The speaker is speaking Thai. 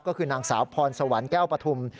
ก็คือนางสาวพรสวรรค์แก้วปฐุม